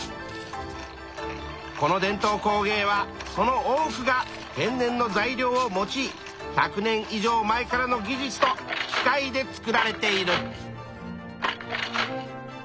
この伝統工芸はその多くが天然の材料を用い１００年以上前からの技術と機械で作られている。